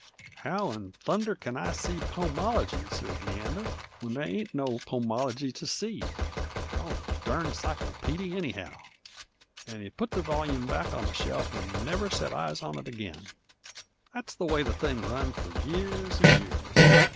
"How in thunder kin I see Pomology," sez Leander, "when there ain't no Pomology to see? Gol durn a cyclopeedy, anyhow!" And he put the volyume back onto the shelf 'nd never sot eyes into it ag'in. That's the way the thing run f'r years 'nd years.